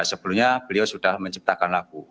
sebelumnya beliau sudah menciptakan lagu